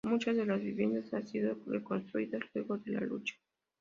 Muchas de las viviendas han sido reconstruidas luego de la lucha.